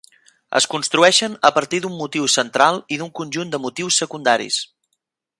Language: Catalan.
Es construeixen a partir d'un motiu central i d'un conjunt de motius secundaris.